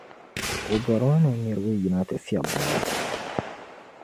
O bɔrimi ni niriba yina ti fiɛbi mɔri.